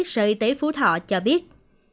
sở y tế phú thọ cho biết